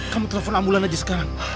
kamu telpon ambulan aja sekarang